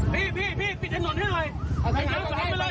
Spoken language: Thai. พี่ปิดแผนหน่อไปหน่อย